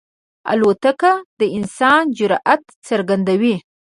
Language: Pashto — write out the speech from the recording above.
الوتکه د انسان جرئت څرګندوي.